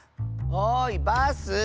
おいバス！